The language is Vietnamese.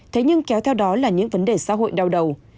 thế nhưng kéo theo đó là những vấn đề xã hội đau đầu